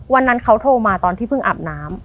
วันนั้นเขาโทรมาตอนที่เพิ่งอาบน้ำ